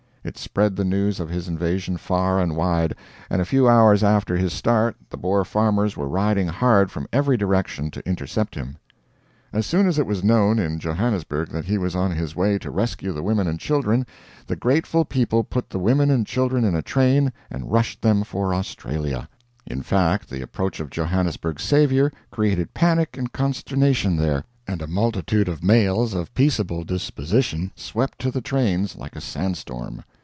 It spread the news of his invasion far and wide, and a few hours after his start the Boer farmers were riding hard from every direction to intercept him. As soon as it was known in Johannesburg that he was on his way to rescue the women and children, the grateful people put the women and children in a train and rushed them for Australia. In fact, the approach of Johannesburg's saviour created panic and consternation there, and a multitude of males of peaceable disposition swept to the trains like a sand storm.